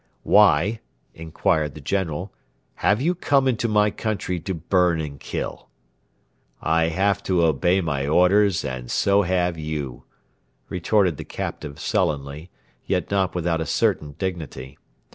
'Why,' inquired the General, 'have you come into my country to burn and kill?' 'I have to obey my orders, and so have you,' retorted the captive sullenly, yet not without a certain dignity.